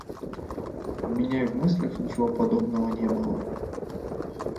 У меня и в мыслях ничего подобного не было.